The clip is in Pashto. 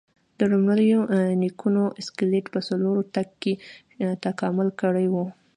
د لومړنیو نیکونو اسکلیټ په څلورو تګ کې تکامل کړی و.